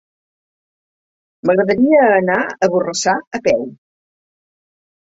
M'agradaria anar a Borrassà a peu.